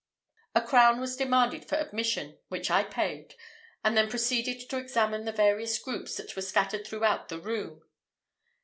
A crown was demanded for admission, which I paid; and then proceeded to examine the various groups that were scattered through the room.